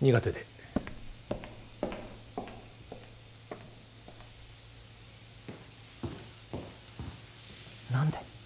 苦手で何で？